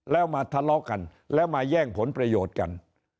แล้วมาทะเลาะกันแล้วมาแย่งผลประโยชน์กัน